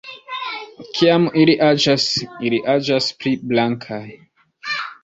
Kiam ili aĝas ili iĝas pli blankaj.